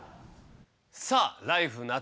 さあ「ＬＩＦＥ！夏」